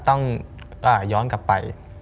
ต้องย้อนกลับไป